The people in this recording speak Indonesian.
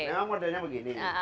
memang wadahnya begini